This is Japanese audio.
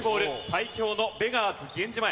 最強のベガーズ源氏前。